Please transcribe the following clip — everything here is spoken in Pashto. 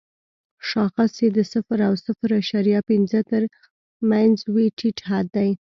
شاخص یې د صفر او صفر اعشاریه پنځه تر مینځ وي ټیټ حد دی.